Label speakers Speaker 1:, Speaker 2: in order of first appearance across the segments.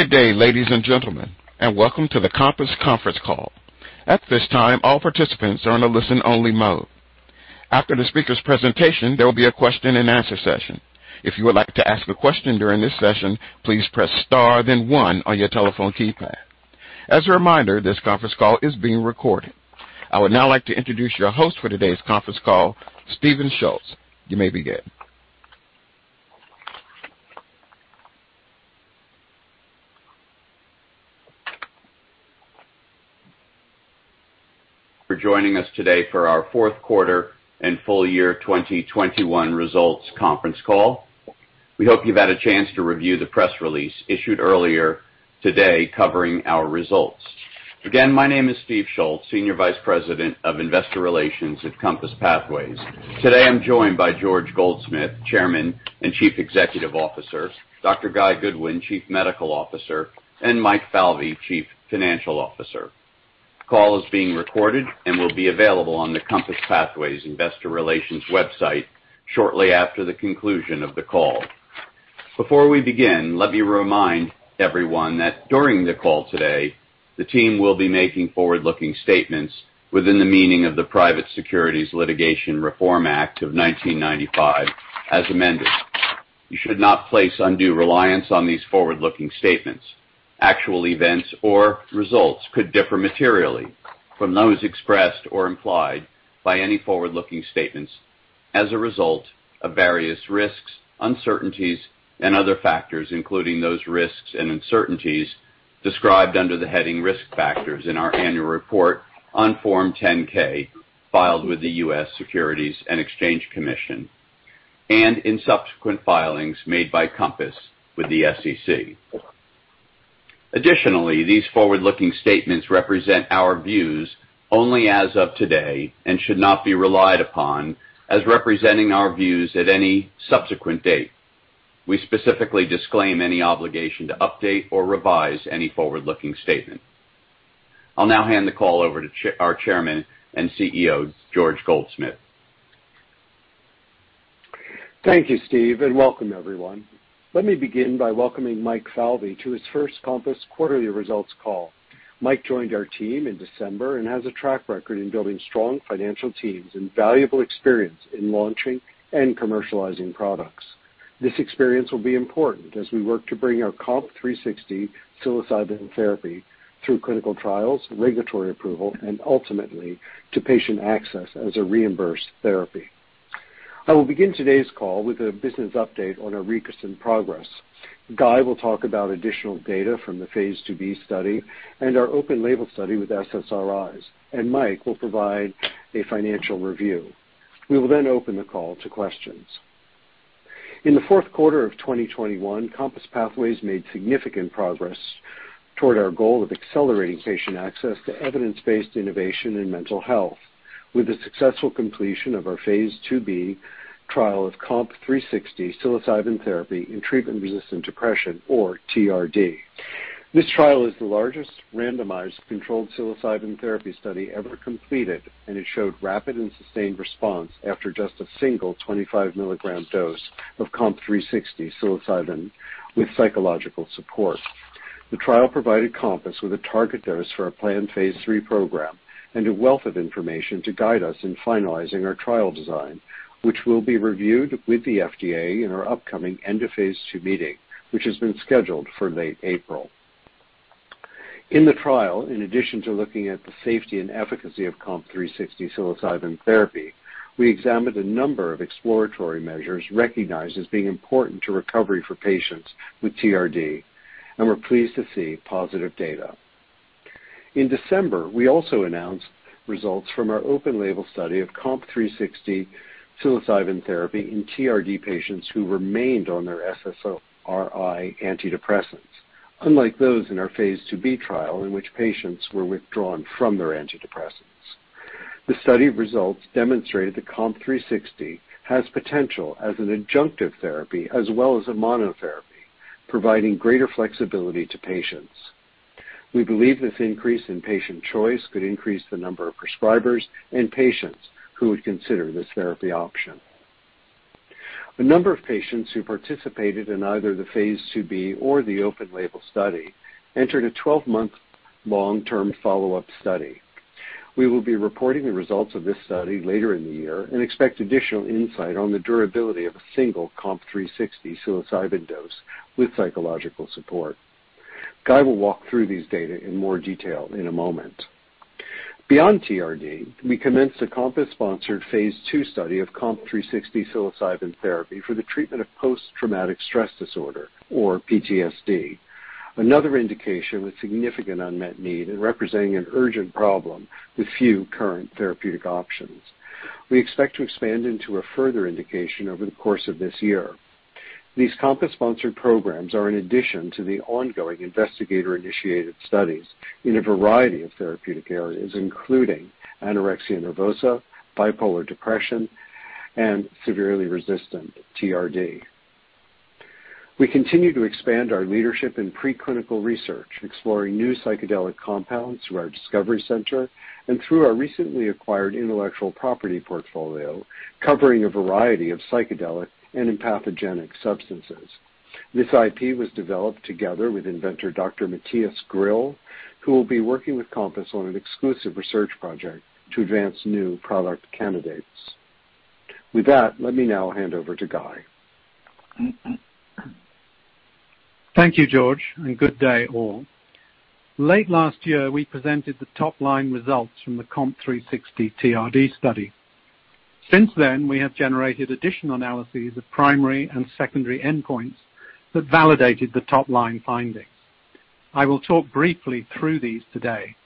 Speaker 1: Good day, ladies and gentlemen, and welcome to the COMPASS Conference Call. At this time, all participants are in a listen-only mode. After the speaker's presentation, there will be a question-and-answer session. If you would like to ask a question during this session, please press star then one on your telephone keypad. As a reminder, this conference call is being recorded. I would now like to introduce your host for today's conference call, Steven Schultz. You may begin.
Speaker 2: For joining us today for our fourth quarter and full year 2021 results conference call. We hope you've had a chance to review the press release issued earlier today covering our results. Again, my name is Steve Schultz, Senior Vice President of Investor Relations at COMPASS Pathways. Today I'm joined by George Goldsmith, Chairman and Chief Executive Officer, Dr. Guy Goodwin, Chief Medical Officer, and Mike Falvey, Chief Financial Officer. This call is being recorded and will be available on the COMPASS Pathways Investor Relations website shortly after the conclusion of the call. Before we begin, let me remind everyone that during the call today, the team will be making forward-looking statements within the meaning of the Private Securities Litigation Reform Act of 1995 as amended. You should not place undue reliance on these forward-looking statements. Actual events or results could differ materially from those expressed or implied by any forward-looking statements as a result of various risks, uncertainties, and other factors, including those risks and uncertainties described under the heading Risk Factors in our annual report on Form 10-K filed with the U.S. Securities and Exchange Commission, and in subsequent filings made by COMPASS with the SEC. Additionally, these forward-looking statements represent our views only as of today and should not be relied upon as representing our views at any subsequent date. We specifically disclaim any obligation to update or revise any forward-looking statement. I'll now hand the call over to our Chairman and CEO, George Goldsmith.
Speaker 3: Thank you, Steve, and welcome everyone. Let me begin by welcoming Mike Falvey to his first COMPASS quarterly results call. Mike joined our team in December and has a track record in building strong financial teams and valuable experience in launching and commercializing products. This experience will be important as we work to bring our COMP360 psilocybin therapy through clinical trials, regulatory approval, and ultimately to patient access as a reimbursed therapy. I will begin today's call with a business update on our recent progress. Guy will talk about additional data from the phase II-B study and our open label study with SSRIs, and Mike will provide a financial review. We will then open the call to questions. In the fourth quarter of 2021, COMPASS Pathways made significant progress toward our goal of accelerating patient access to evidence-based innovation in mental health with the successful completion of our phase II-B trial of COMP360 psilocybin therapy in treatment-resistant depression or TRD. This trial is the largest randomized controlled psilocybin therapy study ever completed, and it showed rapid and sustained response after just a single 25 mg dose of COMP360 psilocybin with psychological support. The trial provided COMPASS with a target dose for our planned phase III program and a wealth of information to guide us in finalizing our trial design, which will be reviewed with the FDA in our upcoming end-of-phase II meeting, which has been scheduled for late April. In the trial, in addition to looking at the safety and efficacy of COMP360 psilocybin therapy, we examined a number of exploratory measures recognized as being important to recovery for patients with TRD, and we're pleased to see positive data. In December, we also announced results from our open-label study of COMP360 psilocybin therapy in TRD patients who remained on their SSRI antidepressants, unlike those in our phase II-B trial in which patients were withdrawn from their antidepressants. The study results demonstrated the COMP360 has potential as an adjunctive therapy as well as a monotherapy, providing greater flexibility to patients. We believe this increase in patient choice could increase the number of prescribers and patients who would consider this therapy option. The number of patients who participated in either the phase II-B or the open label study entered a 12-month long-term follow-up study. We will be reporting the results of this study later in the year and expect additional insight on the durability of a single COMP360 psilocybin dose with psychological support. Guy will walk through these data in more detail in a moment. Beyond TRD, we commenced a COMPASS-sponsored phase II study of COMP360 psilocybin therapy for the treatment of post-traumatic stress disorder, or PTSD, another indication with significant unmet need and representing an urgent problem with few current therapeutic options. We expect to expand into a further indication over the course of this year. These COMPASS-sponsored programs are an addition to the ongoing investigator-initiated studies in a variety of therapeutic areas, including anorexia nervosa, bipolar depression, and severely resistant TRD. We continue to expand our leadership in pre-clinical research, exploring new psychedelic compounds through our discovery center and through our recently acquired intellectual property portfolio covering a variety of psychedelic and empathogenic substances. This IP was developed together with inventor Dr. Matthias Grill, who will be working with Compass on an exclusive research project to advance new product candidates. With that, let me now hand over to Guy.
Speaker 4: Thank you, George, and good day all. Late last year, we presented the top-line results from the COMP360 TRD study. Since then, we have generated additional analyses of primary and secondary endpoints that validated the top-line findings. I will talk briefly through these today.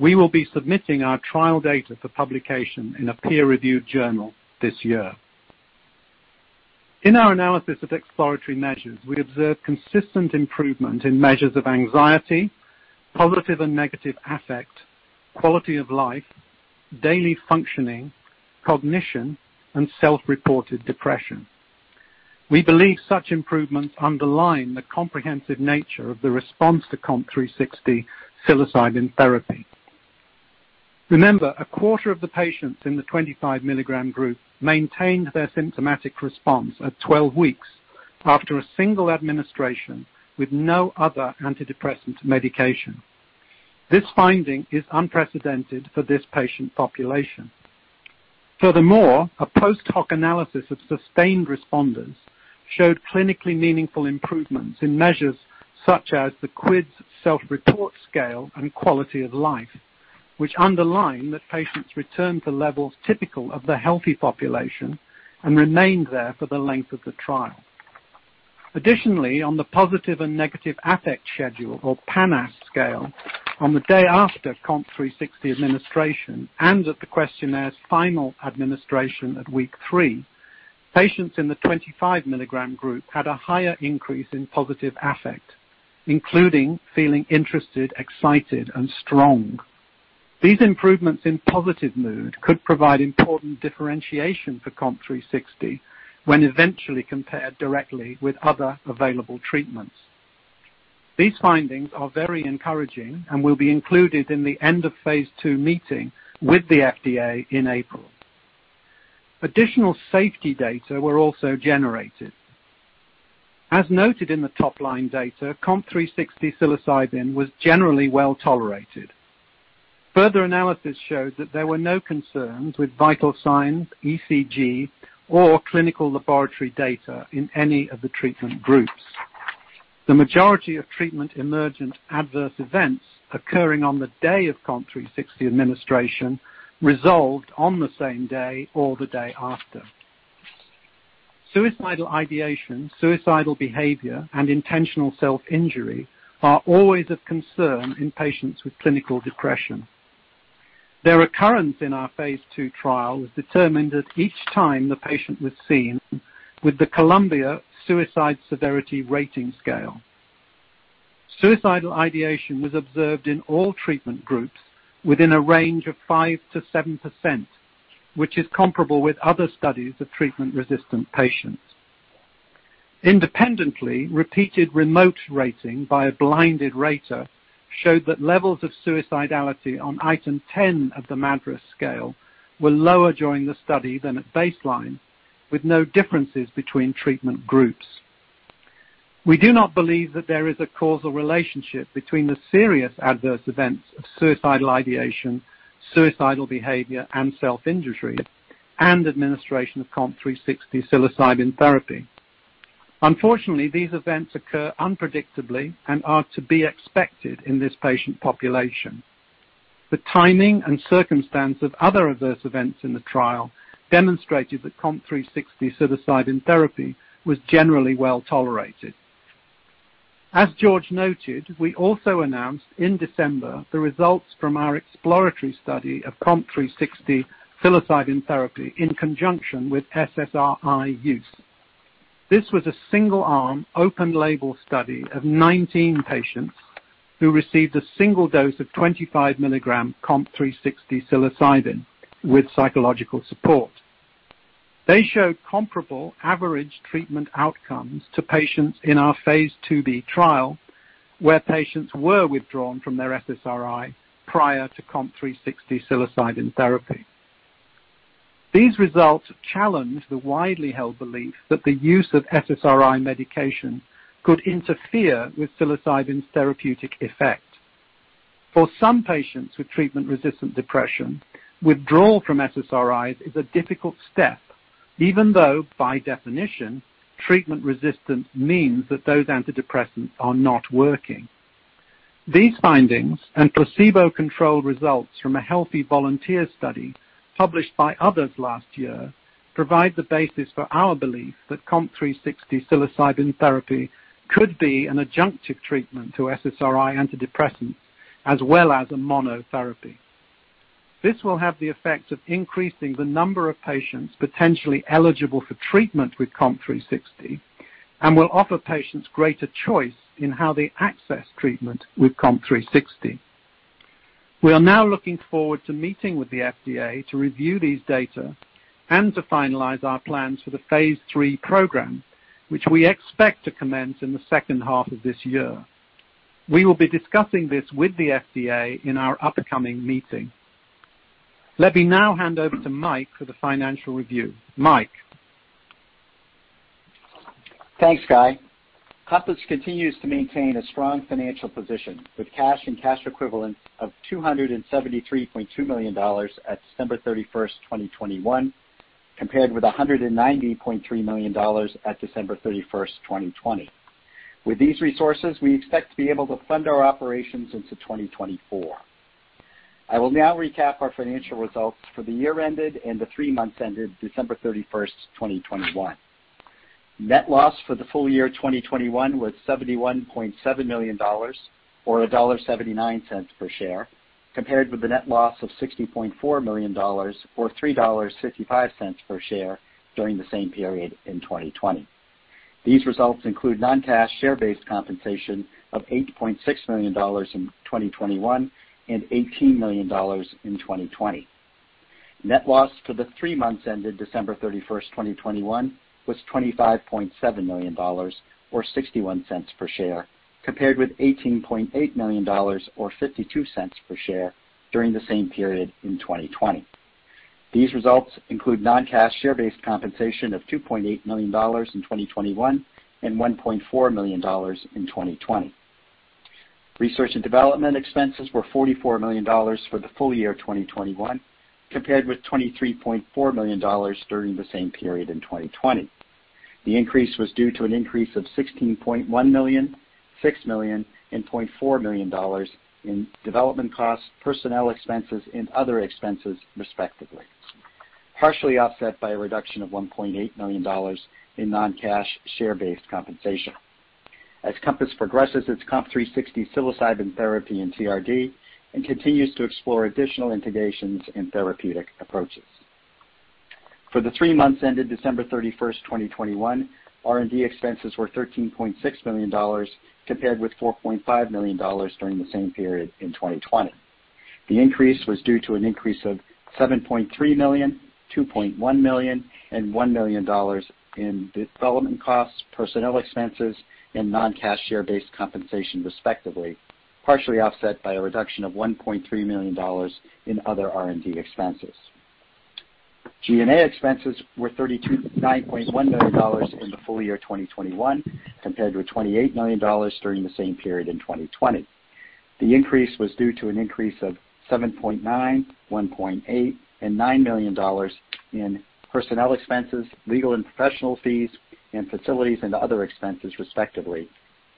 Speaker 4: We will be submitting our trial data for publication in a peer-reviewed journal this year. In our analysis of exploratory measures, we observed consistent improvement in measures of anxiety, positive and negative affect, quality of life, daily functioning, cognition, and self-reported depression. We believe such improvements underline the comprehensive nature of the response to COMP360 psilocybin therapy. Remember, a quarter of the patients in the 25 mg group maintained their symptomatic response at 12 weeks after a single administration with no other antidepressant medication. This finding is unprecedented for this patient population. Furthermore, a post-hoc analysis of sustained responders showed clinically meaningful improvements in measures such as the QIDS self-report scale and quality of life, which underline that patients returned to levels typical of the healthy population and remained there for the length of the trial. Additionally, on the Positive and Negative Affect Schedule, or PANAS scale, on the day after COMP360 administration and at the questionnaire's final administration at week three, patients in the 25 mg group had a higher increase in positive affect, including feeling interested, excited, and strong. These improvements in positive mood could provide important differentiation for COMP360 when eventually compared directly with other available treatments. These findings are very encouraging and will be included in the end-of-phase II meeting with the FDA in April. Additional safety data were also generated. As noted in the top-line data, COMP360 psilocybin was generally well-tolerated. Further analysis showed that there were no concerns with vital signs, ECG, or clinical laboratory data in any of the treatment groups. The majority of treatment-emergent adverse events occurring on the day of COMP360 administration resolved on the same day or the day after. Suicidal ideation, suicidal behavior, and intentional self-injury are always of concern in patients with clinical depression. Their occurrence in our phase II trial was determined at each time the patient was seen with the Columbia-Suicide Severity Rating Scale. Suicidal ideation was observed in all treatment groups within a range of 5%-7%, which is comparable with other studies of treatment-resistant patients. Independently, repeated remote rating by a blinded rater showed that levels of suicidality on item 10 of the MADRS scale were lower during the study than at baseline, with no differences between treatment groups. We do not believe that there is a causal relationship between the serious adverse events of suicidal ideation, suicidal behavior, and self-injury, and administration of COMP360 psilocybin therapy. Unfortunately, these events occur unpredictably and are to be expected in this patient population. The timing and circumstance of other adverse events in the trial demonstrated that COMP360 psilocybin therapy was generally well-tolerated. As George noted, we also announced in December the results from our exploratory study of COMP360 psilocybin therapy in conjunction with SSRI use. This was a single-arm, open-label study of 19 patients who received a single dose of 25 mg COMP360 psilocybin with psychological support. They showed comparable average treatment outcomes to patients in our phase II-B trial, where patients were withdrawn from their SSRI prior to COMP360 psilocybin therapy. These results challenge the widely held belief that the use of SSRI medication could interfere with psilocybin's therapeutic effect. For some patients with treatment-resistant depression, withdrawal from SSRIs is a difficult step, even though, by definition, treatment resistance means that those antidepressants are not working. These findings and placebo-controlled results from a healthy volunteer study published by others last year provide the basis for our belief that COMP360 psilocybin therapy could be an adjunctive treatment to SSRI antidepressants as well as a monotherapy. This will have the effect of increasing the number of patients potentially eligible for treatment with COMP360 and will offer patients greater choice in how they access treatment with COMP360. We are now looking forward to meeting with the FDA to review these data and to finalize our plans for the phase III program, which we expect to commence in the second half of this year. We will be discussing this with the FDA in our upcoming meeting. Let me now hand over to Mike for the financial review. Mike.
Speaker 5: Thanks, Guy. COMPASS Pathways continues to maintain a strong financial position with cash and cash equivalents of $273.2 million at December 31st, 2021, compared with $190.3 million at December 31st, 2020. With these resources, we expect to be able to fund our operations into 2024. I will now recap our financial results for the year ended and the three months ended December 31st, 2021. Net loss for the full year 2021 was $71.7 million, or $1.79 per share, compared with the net loss of $60.4 million or $3.55 per share during the same period in 2020. These results include non-cash share-based compensation of $8.6 million in 2021 and $18 million in 2020. Net loss for the three months ended December 31st, 2021 was $25.7 million or $0.61 per share, compared with $18.8 million or $0.52 per share during the same period in 2020. These results include non-cash share-based compensation of $2.8 million in 2021 and $1.4 million in 2020. Research and development expenses were $44 million for the full year of 2021, compared with $23.4 million during the same period in 2020. The increase was due to an increase of $16.1 million, $6 million, and $0.4 million in development costs, personnel expenses, and other expenses, respectively. Partially offset by a reduction of $1.8 million in non-cash share-based compensation. As COMPASS Pathways progresses its COMP360 psilocybin therapy in TRD, and continues to explore additional integrations and therapeutic approaches. For the three months ended December 31st, 2021, R&D expenses were $13.6 million compared with $4.5 million during the same period in 2020. The increase was due to an increase of $7.3 million, $2.1 million, and $1 million in development costs, personnel expenses, and non-cash share-based compensation, respectively, partially offset by a reduction of $1.3 million in other R&D expenses. G&A expenses were [$32.1] million in the full year of 2021 compared with $28 million during the same period in 2020. The increase was due to an increase of $7.9 million, $1.8 million, and $9 million in personnel expenses, legal and professional fees, and facilities and other expenses, respectively.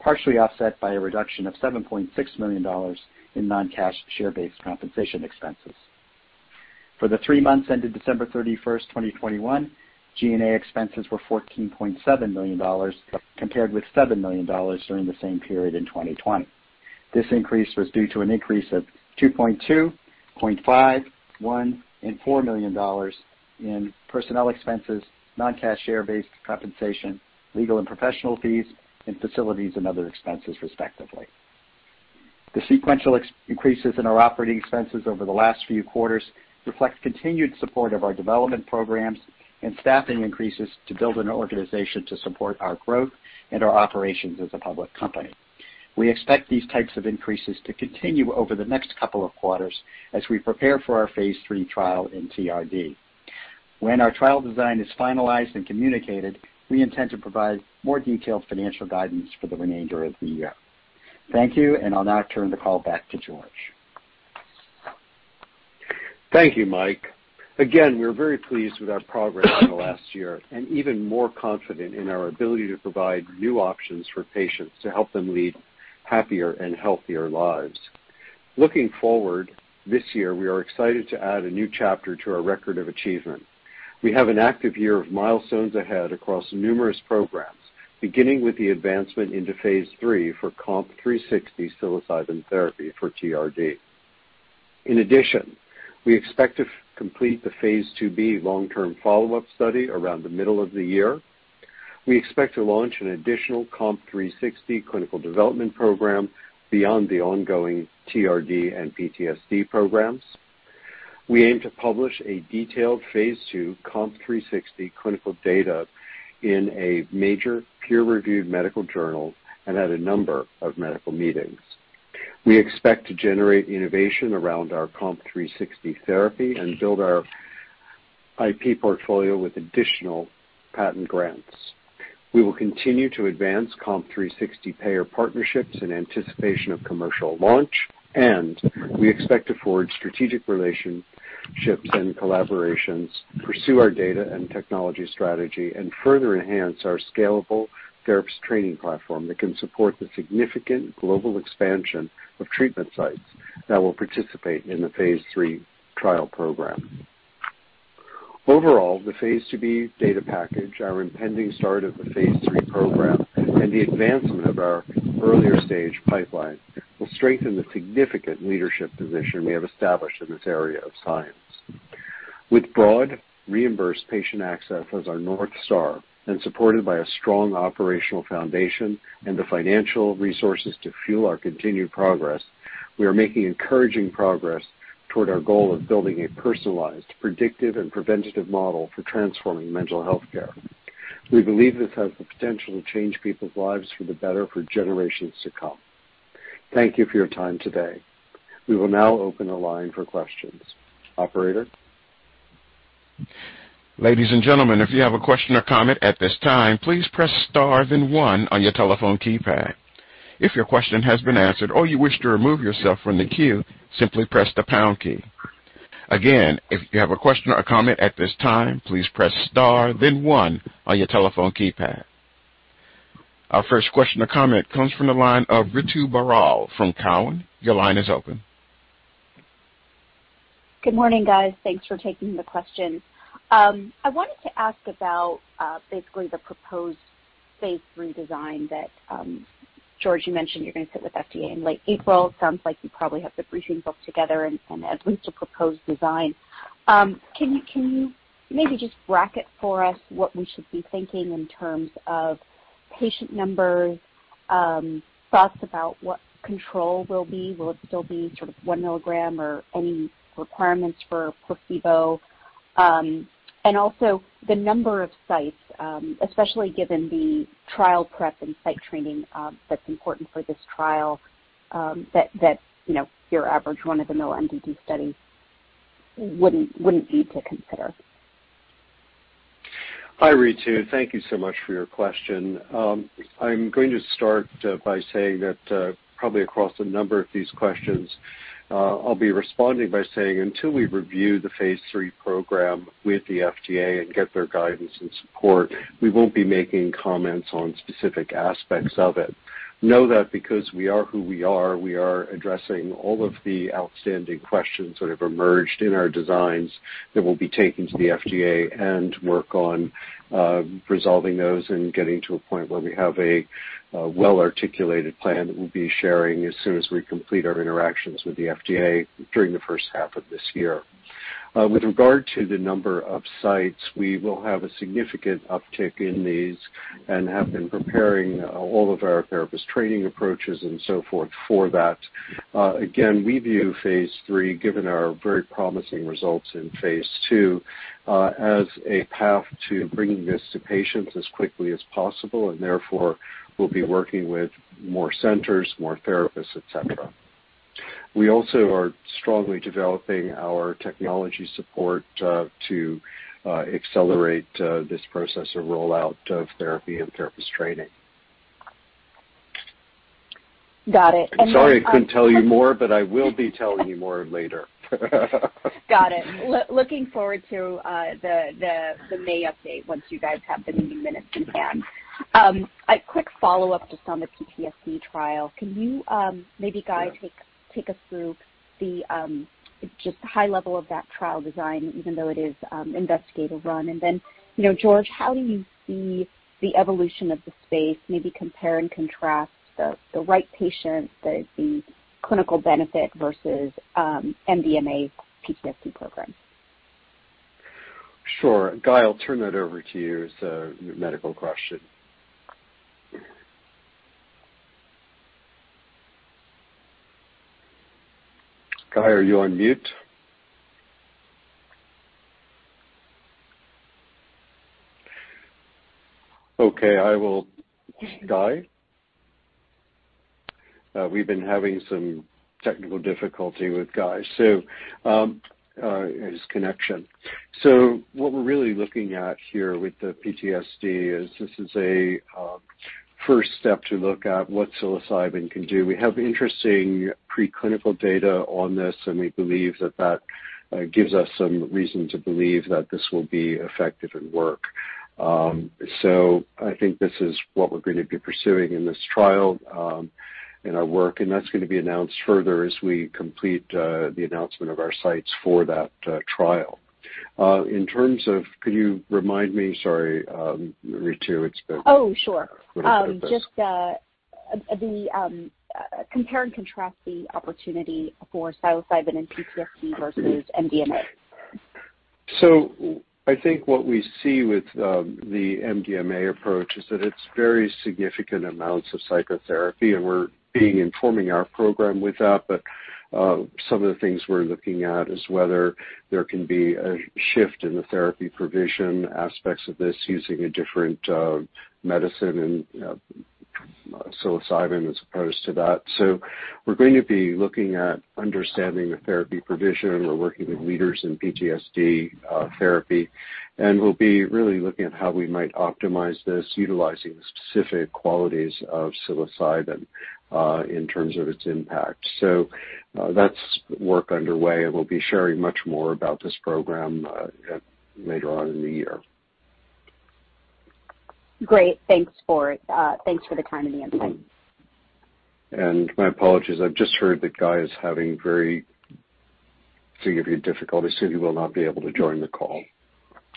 Speaker 5: Partially offset by a reduction of $7.6 million in non-cash share-based compensation expenses. For the three months ended December 31st, 2021, G&A expenses were $14.7 million compared with $7 million during the same period in 2020. This increase was due to an increase of $2.2 million, $0.5 million, $1 million, and $4 million in personnel expenses, non-cash share-based compensation, legal and professional fees, and facilities and other expenses, respectively. The sequential increases in our operating expenses over the last few quarters reflects continued support of our development programs and staffing increases to build an organization to support our growth and our operations as a public company. We expect these types of increases to continue over the next couple of quarters as we prepare for our phase III trial in TRD. When our trial design is finalized and communicated, we intend to provide more detailed financial guidance for the remainder of the year. Thank you, and I'll now turn the call back to George.
Speaker 3: Thank you, Mike. Again, we are very pleased with our progress in the last year and even more confident in our ability to provide new options for patients to help them lead happier and healthier lives. Looking forward, this year, we are excited to add a new chapter to our record of achievement. We have an active year of milestones ahead across numerous programs, beginning with the advancement into phase III for COMP360 psilocybin therapy for TRD. In addition, we expect to complete the phase II-B long-term follow-up study around the middle of the year. We expect to launch an additional COMP360 clinical development program beyond the ongoing TRD and PTSD programs. We aim to publish a detailed phase II COMP360 clinical data in a major peer-reviewed medical journal and at a number of medical meetings. We expect to generate innovation around our COMP360 therapy and build our IP portfolio with additional patent grants. We will continue to advance COMP360 payer partnerships in anticipation of commercial launch, and we expect to forge strategic relationships and collaborations, pursue our data and technology strategy, and further enhance our scalable therapists training platform that can support the significant global expansion of treatment sites that will participate in the phase III trial program. Overall, the phase II-B data package, our impending start of the phase III program, and the advancement of our earlier stage pipeline will strengthen the significant leadership position we have established in this area of science. With broad reimbursed patient access as our North Star and supported by a strong operational foundation and the financial resources to fuel our continued progress, we are making encouraging progress toward our goal of building a personalized, predictive, and preventative model for transforming mental health care. We believe this has the potential to change people's lives for the better for generations to come. Thank you for your time today. We will now open the line for questions. Operator.
Speaker 1: Ladies and gentlemen, if you have a question or comment at this time, please press star then one on your telephone keypad. If your question has been answered or you wish to remove yourself from the queue, simply press the pound key. Again, if you have a question or comment at this time, please press star then one on your telephone keypad. Our first question or comment comes from the line of Ritu Baral from TD Cowen. Your line is open.
Speaker 6: Good morning, guys. Thanks for taking the question. I wanted to ask about basically the proposed phase III design that George, you mentioned you're gonna sit with FDA in late April. Sounds like you probably have the briefing book together and at least a proposed design. Can you maybe just bracket for us what we should be thinking in terms of patient numbers, thoughts about what control will be? Will it still be sort of 1 mg or any requirements for placebo? And also the number of sites, especially given the trial prep and site training, that's important for this trial, that you know, your average run-of-the-mill MDD study wouldn't need to consider.
Speaker 3: Hi, Ritu. Thank you so much for your question. I'm going to start by saying that, probably across a number of these questions, I'll be responding by saying until we review the phase III program with the FDA and get their guidance and support, we won't be making comments on specific aspects of it. Know that because we are who we are, we are addressing all of the outstanding questions that have emerged in our designs that will be taken to the FDA and work on resolving those and getting to a point where we have a well-articulated plan that we'll be sharing as soon as we complete our interactions with the FDA during the first half of this year. With regard to the number of sites, we will have a significant uptick in these and have been preparing all of our therapist training approaches and so forth for that. Again, we view phase III, given our very promising results in phase II, as a path to bringing this to patients as quickly as possible, and therefore we'll be working with more centers, more therapists, et cetera. We also are strongly developing our technology support to accelerate this process of rollout of therapy and therapist training.
Speaker 6: Got it.
Speaker 3: Sorry I couldn't tell you more, but I will be telling you more later.
Speaker 6: Got it. Looking forward to the May update once you guys have the meeting minutes in hand. A quick follow-up just on the PTSD trial. Can you maybe, Guy, take us through just high level of that trial design even though it is investigator run? Then, you know, George, how do you see the evolution of the space, maybe compare and contrast the TRD patient, the clinical benefit versus MDMA PTSD program?
Speaker 3: Sure. Guy, I'll turn that over to you. It's a medical question. Guy, are you on mute? Okay, Guy? We've been having some technical difficulty with Guy, so his connection. What we're really looking at here with the PTSD is this is a first step to look at what psilocybin can do. We have interesting preclinical data on this, and we believe that gives us some reason to believe that this will be effective and work. I think this is what we're going to be pursuing in this trial, in our work, and that's going to be announced further as we complete the announcement of our sites for that trial. In terms of. Could you remind me? Sorry, Ritu. It's been.
Speaker 6: Oh, sure.
Speaker 3: What I've got this.
Speaker 6: Just compare and contrast the opportunity for psilocybin in PTSD versus MDMA?
Speaker 3: I think what we see with the MDMA approach is that it's very significant amounts of psychotherapy, and we're being informing our program with that. Some of the things we're looking at is whether there can be a shift in the therapy provision aspects of this using a different medicine and psilocybin as opposed to that. We're going to be looking at understanding the therapy provision. We're working with leaders in PTSD therapy, and we'll be really looking at how we might optimize this utilizing the specific qualities of psilocybin in terms of its impact. That's work underway, and we'll be sharing much more about this program later on in the year.
Speaker 6: Great. Thanks for the time and the insight.
Speaker 3: My apologies. I've just heard that Guy is having very significant difficulty, so he will not be able to join the call.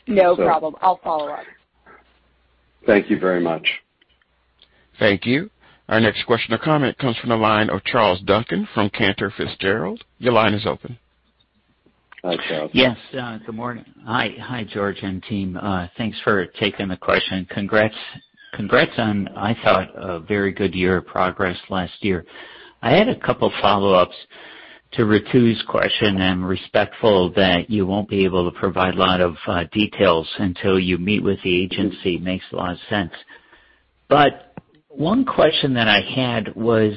Speaker 6: No problem. I'll follow up.
Speaker 3: Thank you very much.
Speaker 1: Thank you. Our next question or comment comes from the line of Charles Duncan from Cantor Fitzgerald. Your line is open.
Speaker 3: Hi, Charles.
Speaker 7: Yes. Good morning. Hi, George and team. Thanks for taking the question. Congrats on, I thought, a very good year of progress last year. I had a couple follow-ups. To Ritu's question, I'm respectful that you won't be able to provide a lot of details until you meet with the agency. Makes a lot of sense. One question that I had was,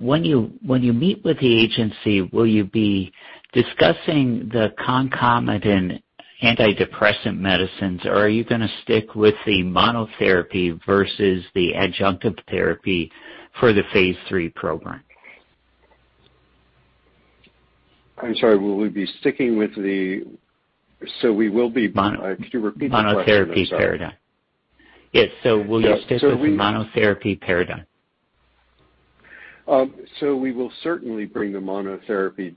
Speaker 7: when you meet with the agency, will you be discussing the concomitant antidepressant medicines, or are you gonna stick with the monotherapy versus the adjunctive therapy for the phase III program?
Speaker 3: We will be.
Speaker 7: Mono.
Speaker 3: Could you repeat the question? I'm sorry.
Speaker 7: Monotherapy paradigm. Yes.
Speaker 3: Yes.
Speaker 7: Will you stick with the monotherapy paradigm?
Speaker 3: We will certainly bring the monotherapy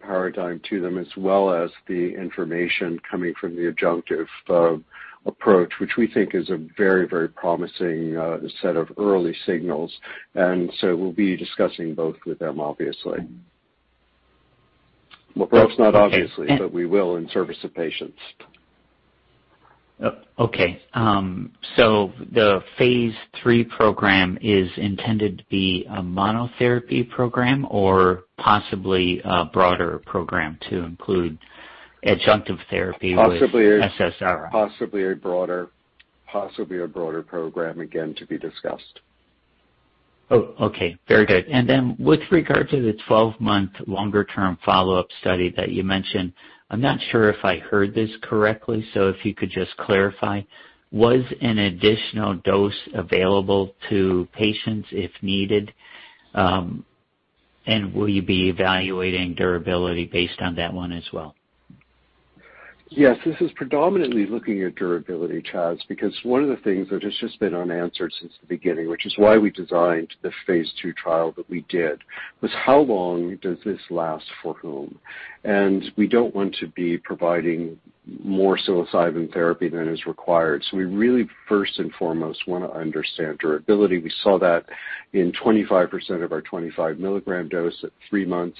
Speaker 3: paradigm to them, as well as the information coming from the adjunctive approach, which we think is a very, very promising set of early signals. We'll be discussing both with them, obviously.
Speaker 7: Okay.
Speaker 3: Well, perhaps not obviously, but we will in service to patients.
Speaker 7: Okay. The phase III program is intended to be a monotherapy program or possibly a broader program to include adjunctive therapy with SSRI.
Speaker 3: Possibly a broader program, again, to be discussed.
Speaker 7: Oh, okay. Very good. With regard to the 12-month longer term follow-up study that you mentioned, I'm not sure if I heard this correctly, so if you could just clarify. Was an additional dose available to patients if needed? And will you be evaluating durability based on that one as well?
Speaker 3: Yes. This is predominantly looking at durability, Charles, because one of the things that has just been unanswered since the beginning, which is why we designed the phase II trial that we did, was how long does this last for whom? We don't want to be providing more psilocybin therapy than is required. We really first and foremost wanna understand durability. We saw that in 25% of our 25 mg dose at three months,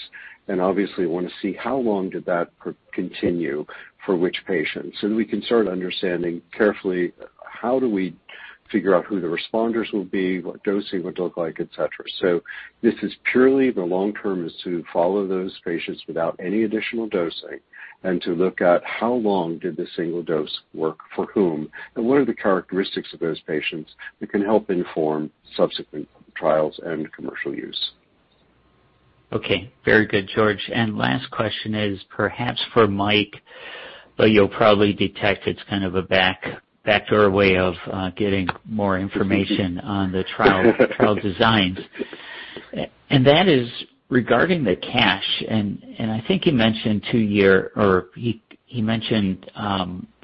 Speaker 3: and obviously want to see how long did that continue for which patients. We can start understanding carefully how do we figure out who the responders will be, what dosing would look like, et cetera. This is purely the long-term is to follow those patients without any additional dosing and to look at how long did the single dose work for whom and what are the characteristics of those patients that can help inform subsequent trials and commercial use.
Speaker 7: Okay. Very good, George. Last question is perhaps for Mike, but you'll probably detect it's kind of a backdoor way of getting more information on the trial designs. That is regarding the cash. I think you mentioned two year or he mentioned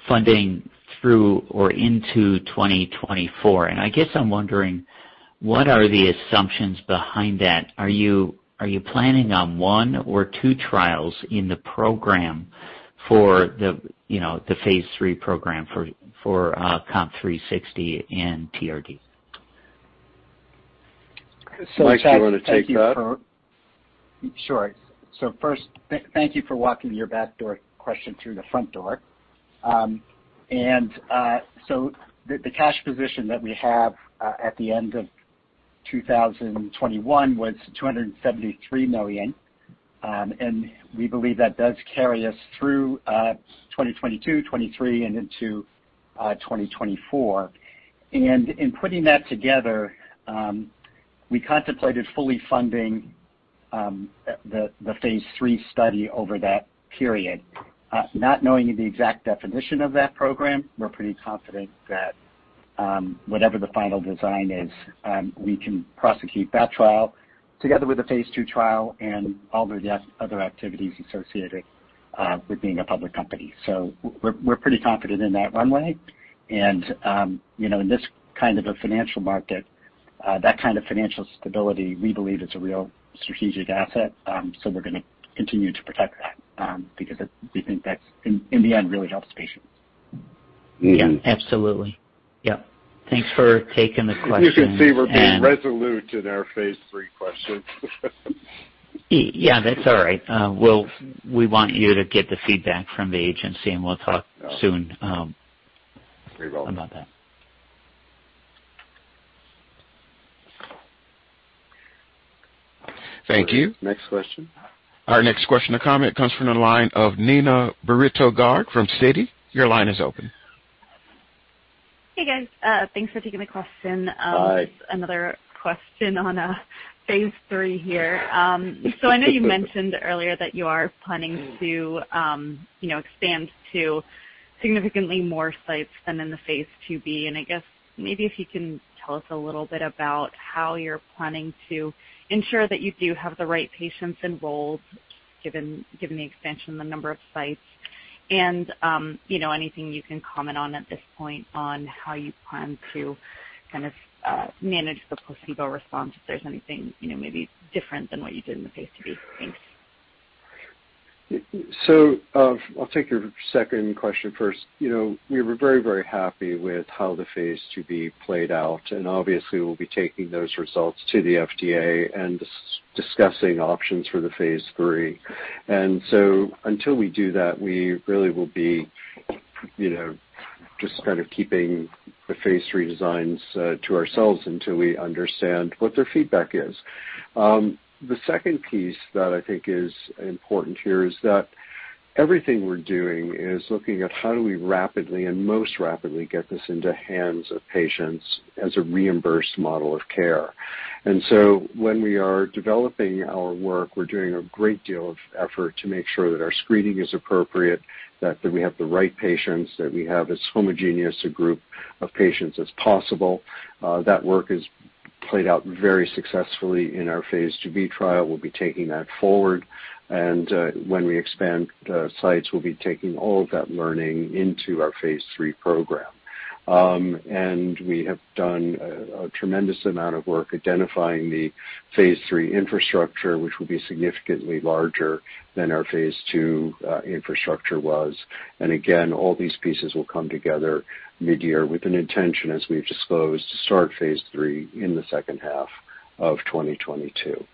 Speaker 7: funding through or into 2024. I guess I'm wondering what are the assumptions behind that? Are you planning on one or two trials in the program for the, you know, the phase III program for COMP360 and TRD?
Speaker 3: Mike, do you wanna take that?
Speaker 5: Sure. First, thank you for walking your backdoor question through the front door. The cash position that we have at the end of 2021 was $273 million. We believe that does carry us through 2022, 2023 and into 2024. In putting that together, we contemplated fully funding the phase III study over that period. Not knowing the exact definition of that program, we're pretty confident that whatever the final design is, we can prosecute that trial together with the phase II trial and all the other activities associated with being a public company. We're pretty confident in that runway. You know, in this kind of a financial market, that kind of financial stability, we believe is a real strategic asset. We're gonna continue to protect that, because we think that's, in the end, really helps patients.
Speaker 3: Mm-hmm.
Speaker 7: Yeah, absolutely. Yep. Thanks for taking the question and.
Speaker 3: You can see we're being resolute in our phase III questions.
Speaker 7: Yeah. That's all right. We'll want you to get the feedback from the agency, and we'll talk soon.
Speaker 3: Very well.
Speaker 7: About that.
Speaker 1: Thank you.
Speaker 3: Next question.
Speaker 1: Our next question or comment comes from the line of Neena Bitritto-Garg from Citi. Your line is open.
Speaker 8: Hey, guys. Thanks for taking the question.
Speaker 3: Hi.
Speaker 8: Just another question on phase III here. I know you mentioned earlier that you are planning to you know expand to significantly more sites than in the phase II-B, and I guess maybe if you can tell us a little bit about how you're planning to ensure that you do have the right patients enrolled, given the expansion, the number of sites. You know anything you can comment on at this point on how you plan to kind of manage the placebo response, if there's anything, you know maybe different than what you did in the phase II-B. Thanks.
Speaker 3: I'll take your second question first. You know, we were very, very happy with how the phase II-B played out, and obviously we'll be taking those results to the FDA and discussing options for the phase III. Until we do that, we really will be. You know, just kind of keeping the phase III designs to ourselves until we understand what their feedback is. The second piece that I think is important here is that everything we're doing is looking at how do we rapidly and most rapidly get this into hands of patients as a reimbursed model of care. When we are developing our work, we're doing a great deal of effort to make sure that our screening is appropriate, that we have the right patients, that we have as homogeneous a group of patients as possible. That work has played out very successfully in our phase II-B trial. We'll be taking that forward. When we expand sites, we'll be taking all of that learning into our phase III program. We have done a tremendous amount of work identifying the phase III infrastructure, which will be significantly larger than our phase II infrastructure was. Again, all these pieces will come together mid-year with an intention, as we've disclosed, to start phase III in the second half of 2022.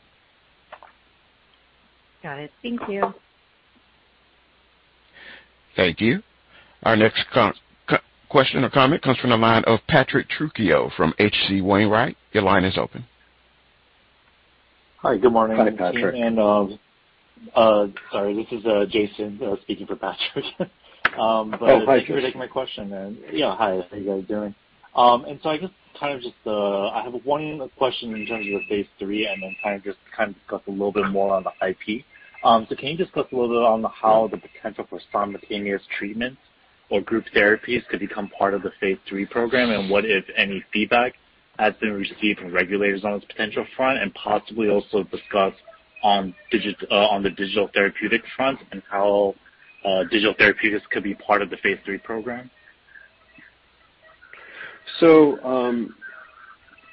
Speaker 8: Got it. Thank you.
Speaker 1: Thank you. Our next question or comment comes from the line of Patrick Trucchio from H.C. Wainwright. Your line is open.
Speaker 9: Hi. Good morning.
Speaker 3: Hi, Patrick.
Speaker 9: Sorry, this is Jason speaking for Patrick. But.
Speaker 3: Oh, hi, Jason.
Speaker 9: Thanks for taking my question. Yeah. Hi, how you guys doing? I guess kind of just I have one question in terms of phase III and then kind of discuss a little bit more on the IP. Can you just touch a little bit on how the potential for simultaneous treatments or group therapies could become part of the phase III program? What, if any, feedback has been received from regulators on this potential front, and possibly also discuss on the digital therapeutic front and how digital therapeutics could be part of the phase III program?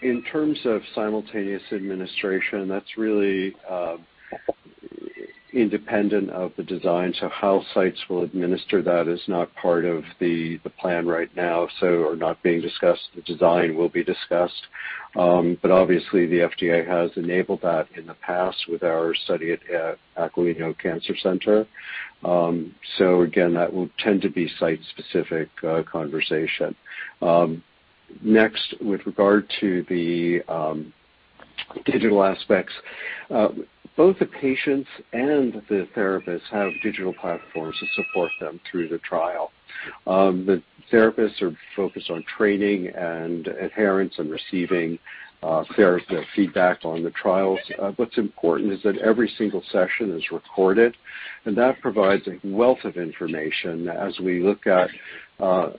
Speaker 3: In terms of simultaneous administration, that's really independent of the design. How sites will administer that is not part of the plan right now, so are not being discussed. The design will be discussed. Obviously, the FDA has enabled that in the past with our study at Aquilino Cancer Center. Again, that will tend to be site-specific conversation. Next, with regard to the digital aspects, both the patients and the therapists have digital platforms to support them through the trial. The therapists are focused on training and adherence and receiving therapy or feedback on the trials. What's important is that every single session is recorded, and that provides a wealth of information as we look at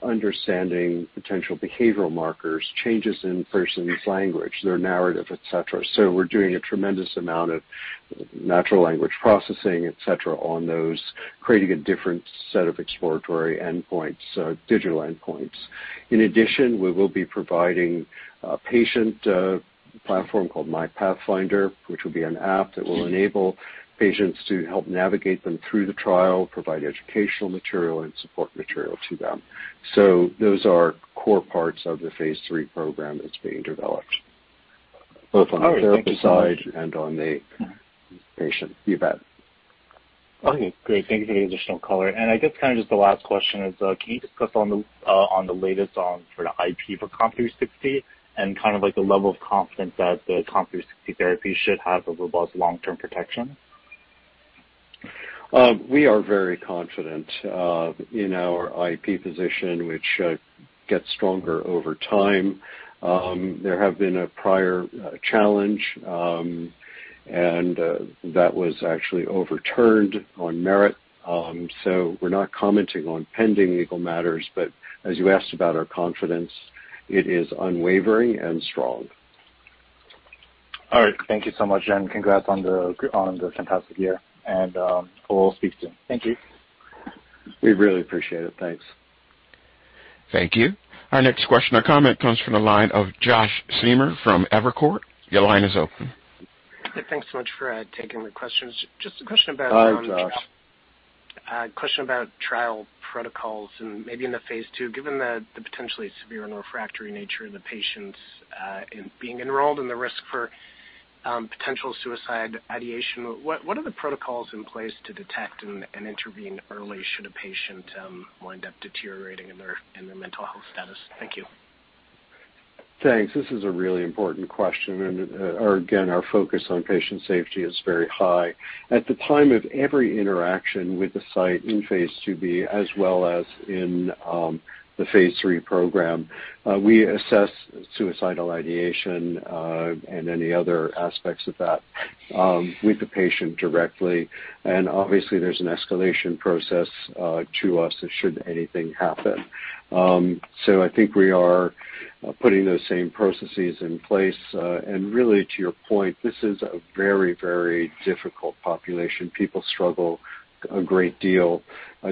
Speaker 3: understanding potential behavioral markers, changes in person's language, their narrative, et cetera. We're doing a tremendous amount of natural language processing, et cetera, on those, creating a different set of exploratory endpoints, so digital endpoints. In addition, we will be providing a patient platform called myPathfinder, which will be an app that will enable patients to help navigate them through the trial, provide educational material and support material to them. Those are core parts of the phase III program that's being developed, both on the therapeutic side and on the patient feedback.
Speaker 9: Okay, great. Thank you for the additional color. I guess kind of just the last question is, can you just touch on the latest on sort of IP for COMP360 and kind of like the level of confidence that the COMP360 therapy should have over both long-term protection?
Speaker 3: We are very confident in our IP position, which gets stronger over time. There have been a prior challenge, and that was actually overturned on merit. We're not commenting on pending legal matters, but as you asked about our confidence, it is unwavering and strong.
Speaker 9: All right. Thank you so much, and congrats on the fantastic year, and we'll speak soon. Thank you.
Speaker 3: We really appreciate it. Thanks.
Speaker 1: Thank you. Our next question or comment comes from the line of Josh Schimmer from Evercore. Your line is open.
Speaker 10: Thanks so much for taking the questions. Just a question about.
Speaker 3: Hi, Josh.
Speaker 10: Question about trial protocols and maybe in the phase II. Given the potentially severe and refractory nature of the patients in being enrolled and the risk for potential suicide ideation, what are the protocols in place to detect and intervene early should a patient wind up deteriorating in their mental health status? Thank you.
Speaker 3: Thanks. This is a really important question. Again, our focus on patient safety is very high. At the time of every interaction with the site in phase II-B as well as in the phase III program, we assess suicidal ideation and any other aspects of that with the patient directly. Obviously, there's an escalation process to us should anything happen. I think we are putting those same processes in place. Really to your point, this is a very, very difficult population. People struggle a great deal.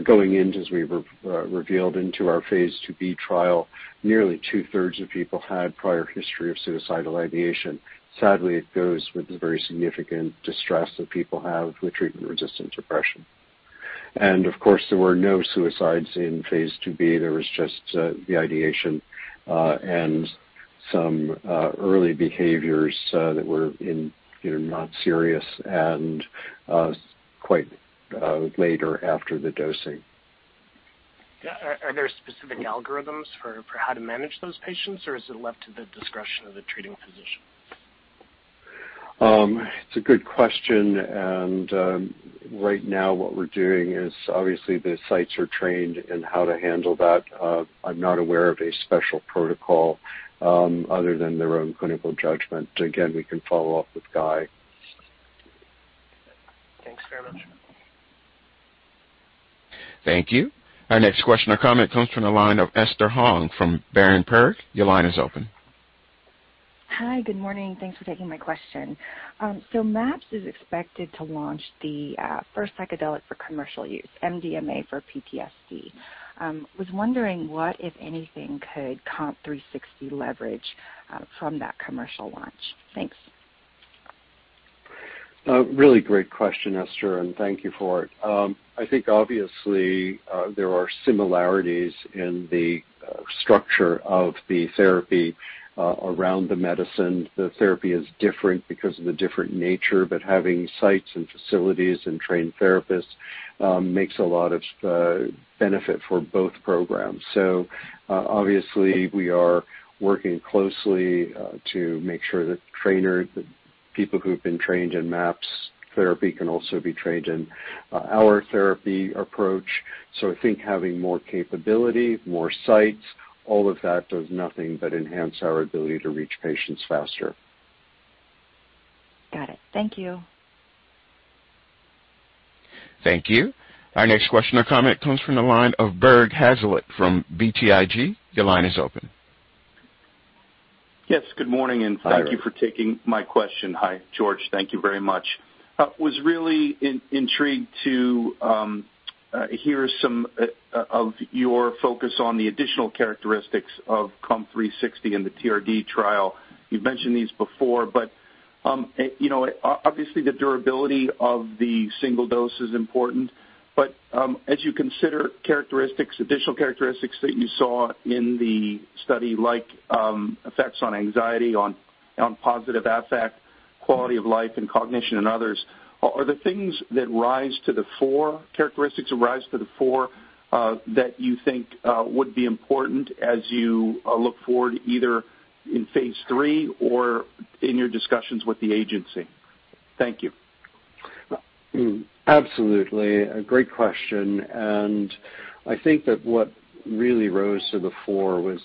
Speaker 3: Going into, as we revealed in our phase II-B trial, nearly two-thirds of people had prior history of suicidal ideation. Sadly, it goes with the very significant distress that people have with treatment-resistant depression. Of course, there were no suicides in phase II-B. There was just the ideation and some early behaviors that were, you know, not serious and quite later after the dosing.
Speaker 10: Yeah. Are there specific algorithms for how to manage those patients, or is it left to the discretion of the treating physician?
Speaker 3: It's a good question. Right now what we're doing is, obviously the sites are trained in how to handle that. I'm not aware of a special protocol, other than their own clinical judgment. Again, we can follow up with Guy.
Speaker 10: Thanks very much.
Speaker 1: Thank you. Our next question or comment comes from the line of Esther Hong from Berenberg. Your line is open.
Speaker 11: Hi. Good morning. Thanks for taking my question. MAPS is expected to launch the first psychedelic for commercial use, MDMA for PTSD. Was wondering what, if anything, could COMP360 leverage from that commercial launch. Thanks.
Speaker 3: A really great question, Esther, and thank you for it. I think obviously, there are similarities in the structure of the therapy around the medicine. The therapy is different because of the different nature, but having sites and facilities and trained therapists makes a lot of benefit for both programs. Obviously we are working closely to make sure that trainers, the people who've been trained in MAPS therapy can also be trained in our therapy approach. I think having more capability, more sites, all of that does nothing but enhance our ability to reach patients faster.
Speaker 11: Got it. Thank you.
Speaker 1: Thank you. Our next question or comment comes from the line of Bert Hazlett from BTIG. Your line is open.
Speaker 12: Yes, good morning.
Speaker 3: Hi.
Speaker 12: Thank you for taking my question. Hi, George. Thank you very much. I was really intrigued to hear some of your focus on the additional characteristics of COMP360 and the TRD trial. You've mentioned these before, but you know, obviously the durability of the single dose is important. As you consider additional characteristics that you saw in the study, like effects on anxiety, on positive affect, quality of life and cognition and others, are the characteristics that rise to the fore that you think would be important as you look forward either in phase III or in your discussions with the agency? Thank you.
Speaker 3: Absolutely. A great question, and I think that what really rose to the fore was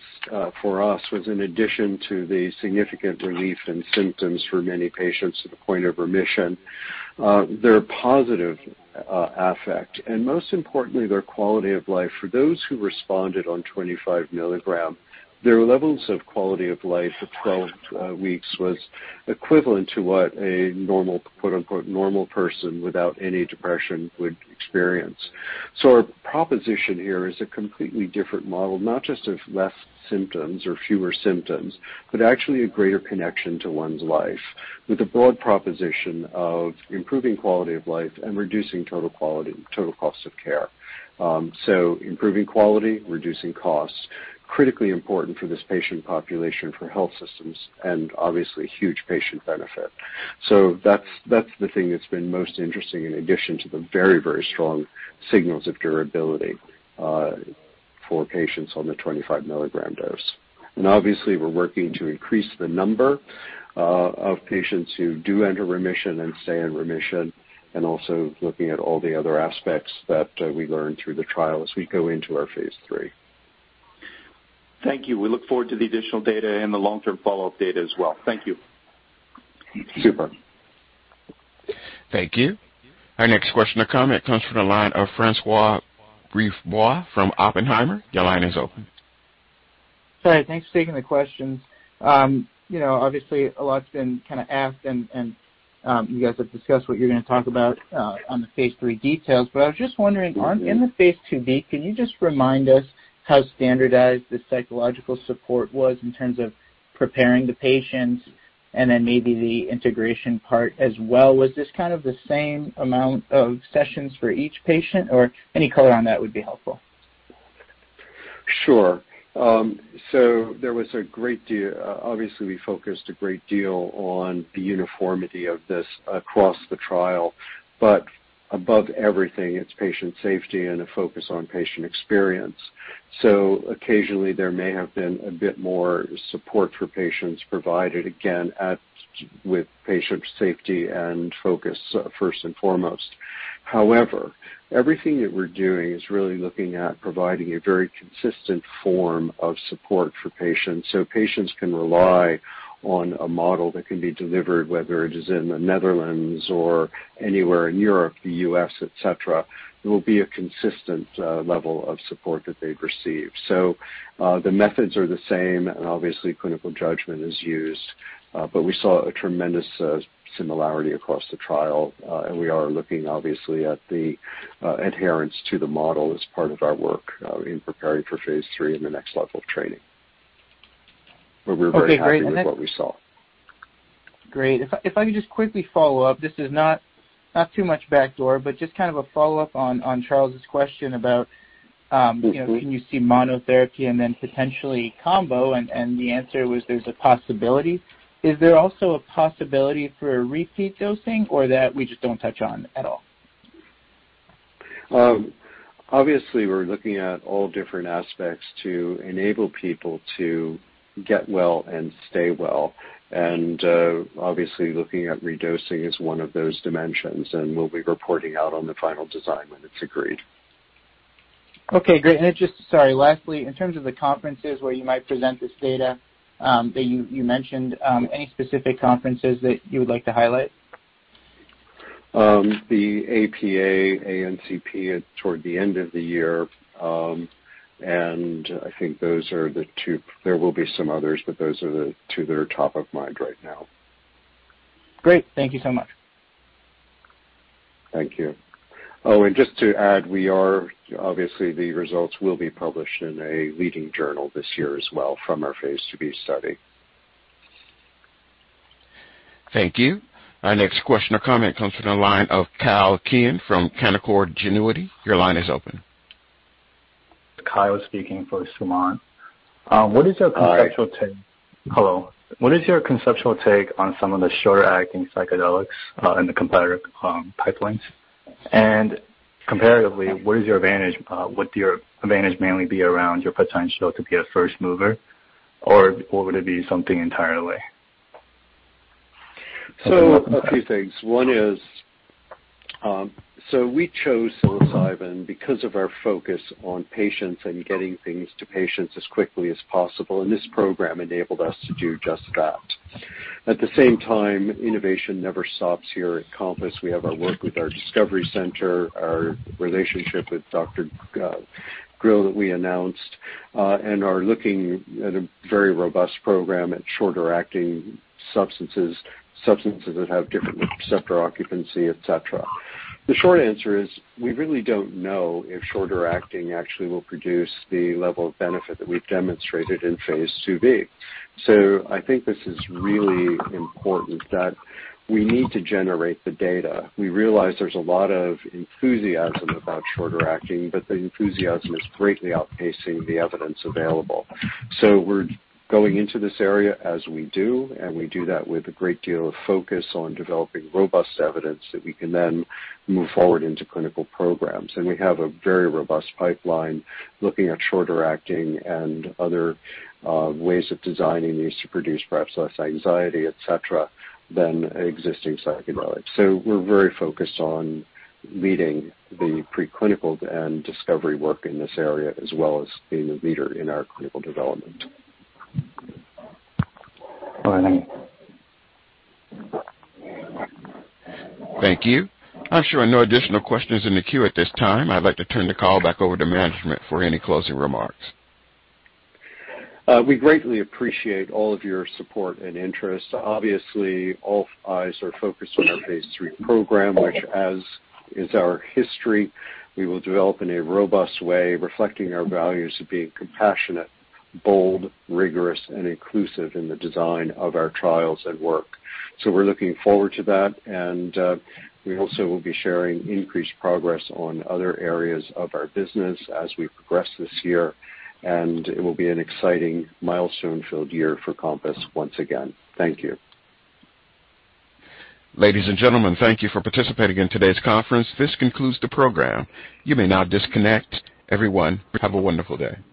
Speaker 3: for us in addition to the significant relief in symptoms for many patients to the point of remission, their positive affect, and most importantly, their quality of life. For those who responded on 25 mg, their levels of quality of life at 12 weeks was equivalent to what a normal, quote-unquote, person without any depression would experience. Our proposition here is a completely different model, not just of less symptoms or fewer symptoms, but actually a greater connection to one's life with a broad proposition of improving quality of life and reducing total quality, total cost of care. Improving quality, reducing costs, critically important for this patient population, for health systems and obviously huge patient benefit. That's the thing that's been most interesting in addition to the very, very strong signals of durability for patients on the 25 mg dose. Obviously, we're working to increase the number of patients who do enter remission and stay in remission and also looking at all the other aspects that we learned through the trial as we go into our phase III.
Speaker 12: Thank you. We look forward to the additional data and the long-term follow-up data as well. Thank you.
Speaker 3: Thank you.
Speaker 12: Super.
Speaker 1: Thank you. Our next question or comment comes from the line of Francois Brisebois from Oppenheimer. Your line is open.
Speaker 13: Hi. Thanks for taking the questions. You know, obviously a lot's been kind of asked and you guys have discussed what you're going to talk about on the phase III details. I was just wondering on, in the phase II-B, can you just remind us how standardized the psychological support was in terms of preparing the patients and then maybe the integration part as well? Was this kind of the same amount of sessions for each patient or any color on that would be helpful.
Speaker 3: Sure. There was a great deal. Obviously, we focused a great deal on the uniformity of this across the trial, but above everything, it's patient safety and a focus on patient experience. Occasionally there may have been a bit more support for patients provided, again, with patient safety and focus first and foremost. However, everything that we're doing is really looking at providing a very consistent form of support for patients, so patients can rely on a model that can be delivered, whether it is in the Netherlands or anywhere in Europe, the U.S., et cetera. It will be a consistent level of support that they've received. The methods are the same, and obviously clinical judgment is used. We saw a tremendous similarity across the trial, and we are looking obviously at the adherence to the model as part of our work in preparing for phase III and the next level of training. We're very happy with what we saw.
Speaker 13: Great. If I could just quickly follow up. This is not too much backdoor, but just kind of a follow-up on Charles's question about, you know, can you see monotherapy and then potentially combo and the answer was there's a possibility. Is there also a possibility for a repeat dosing or that we just don't touch on at all?
Speaker 3: Obviously, we're looking at all different aspects to enable people to get well and stay well. Obviously, looking at redosing is one of those dimensions, and we'll be reporting out on the final design when it's agreed.
Speaker 13: Okay, great. Just sorry. Lastly, in terms of the conferences where you might present this data that you mentioned, any specific conferences that you would like to highlight?
Speaker 3: The APA, ACNP toward the end of the year. I think those are the two. There will be some others, but those are the two that are top of mind right now.
Speaker 13: Great. Thank you so much.
Speaker 3: Thank you. Oh, and just to add, obviously, the results will be published in a leading journal this year as well from our phase II-B study.
Speaker 1: Thank you. Our next question or comment comes from the line of Kyle Keen from Canaccord Genuity. Your line is open.
Speaker 14: Kyle Keen speaking for Sumant. What is your conceptual take.
Speaker 3: Hi.
Speaker 14: Hello. What is your conceptual take on some of the shorter acting psychedelics in the competitive pipelines? Comparatively, what is your advantage? Would your advantage mainly be around your potential to be a first mover, or would it be something entirely?
Speaker 3: A few things. One is, we chose psilocybin because of our focus on patients and getting things to patients as quickly as possible, and this program enabled us to do just that. At the same time, innovation never stops here. At COMPASS, we have our work with our discovery center, our relationship with Dr. Grill that we announced, and are looking at a very robust program at shorter acting substances that have different receptor occupancy, etc. The short answer is we really don't know if shorter acting actually will produce the level of benefit that we've demonstrated in phase II-B. I think this is really important that we need to generate the data. We realize there's a lot of enthusiasm about shorter acting, but the enthusiasm is greatly outpacing the evidence available. We're going into this area as we do, and we do that with a great deal of focus on developing robust evidence that we can then move forward into clinical programs. We have a very robust pipeline looking at shorter acting and other ways of designing these to produce perhaps less anxiety, etc., than existing psychedelics. We're very focused on leading the preclinical and discovery work in this area, as well as being a leader in our clinical development.
Speaker 14: All right.
Speaker 1: Thank you. I'm showing no additional questions in the queue at this time. I'd like to turn the call back over to management for any closing remarks.
Speaker 3: We greatly appreciate all of your support and interest. Obviously, all eyes are focused on our phase III program, which as is our history, we will develop in a robust way, reflecting our values of being compassionate, bold, rigorous and inclusive in the design of our trials at work. We're looking forward to that. We also will be sharing increased progress on other areas of our business as we progress this year. It will be an exciting milestone filled year for Compass once again. Thank you.
Speaker 1: Ladies and gentlemen, thank you for participating in today's conference. This concludes the program. You may now disconnect. Everyone, have a wonderful day.